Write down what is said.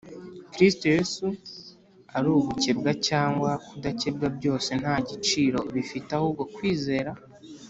Kristo yesu ari ugukebwa cyangwa kudakebwa byose nta gaciro bifite ahubwo kwizera